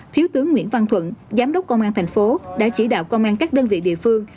thiếu tướng nguyễn văn thuận giám đốc công an thành phố đã chỉ đạo công an các đơn vị địa phương